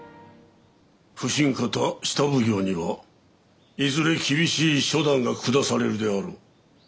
普請方下奉行にはいずれ厳しい処断が下されるであろう。